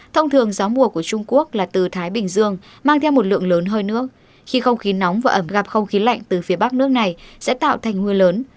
trung quốc là từ thái bình dương mang theo một lượng lớn hơi nước khi không khí nóng và ẩm gặp không khí lạnh từ phía bắc nước này sẽ tạo thành mưa lớn